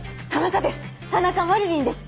田中です